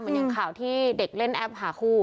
อย่างข่าวที่เด็กเล่นแอปหาคู่